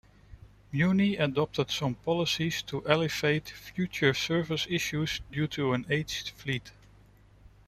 Muni adopted some policies to alleviate future service issues due to an aged fleet.